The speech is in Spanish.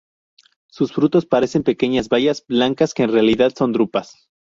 Sus frutos parecen pequeñas bayas blancas que en realidad son drupas.